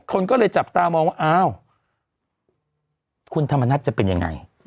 คนก็เลยจับตามองว่าอ้าวคุณธรรมนัฐจะเป็นยังไง